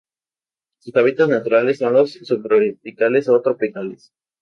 Sus hábitats naturales son los subtropicales o tropicales.